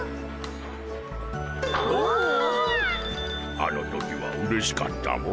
あの時はうれしかったモ。